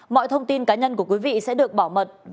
mọi thông tin cá nhân của quý vị sẽ được bảo mật